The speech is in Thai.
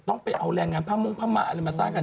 ต้องไปเอาแรงงานผ้ามุ้งผ้ามะอะไรมาสร้างกัน